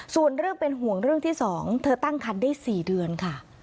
ส่วนเรื่องเป็นห่วงเรื่องที่๒เธอตั้งคันได้๔เดือนค่ะ